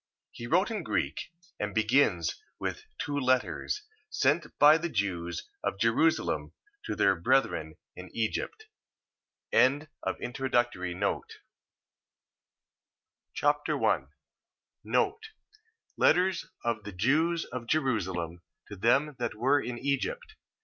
He wrote in Greek, and begins with two letters, sent by the Jews of Jerusalem to their brethren in Egypt. 2 Machabees Chapter 1 Letters of the Jews of Jerusalem to them that were in Egypt.